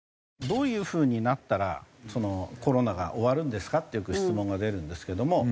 「どういうふうになったらコロナが終わるんですか？」ってよく質問が出るんですけども。